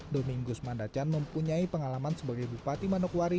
domingus mandacan mempunyai pengalaman sebagai bupati manokwari